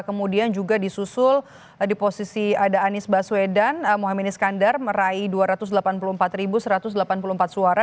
kemudian juga disusul di posisi ada anies baswedan mohamad iskandar meraih dua ratus delapan puluh empat satu ratus delapan puluh empat suara